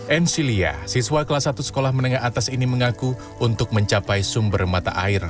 ensilia siswa kelas satu sekolah menengah atas ini mengaku untuk mencapai sumber mata air